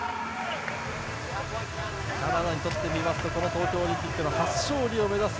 カナダにとってみますとこの東京オリンピックの初勝利を目指す